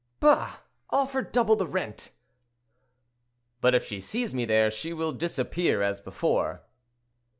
"Bah! offer double the rent!" "But if she sees me there, she will disappear as before."